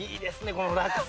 この落差。